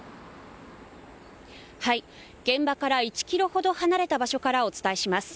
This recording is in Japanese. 現場から１ｋｍほど離れた場所からお伝えします。